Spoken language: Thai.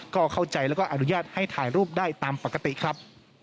ก็เข้าใจแล้วก็อนุญาตให้ถ่ายรูปได้ตามปกติครับ